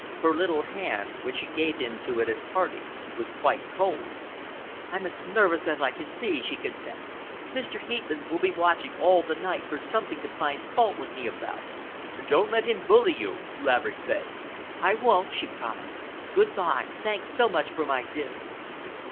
Her little hand, when she gave it to him at parting, was quite cold. "I'm as nervous as I can be," she confessed. "Mr. Heepman will be watching all the night for something to find fault with me about." "Don't you let him bully you," Laverick begged. "I won't," she promised. "Good bye! Thanks so much for my dinner."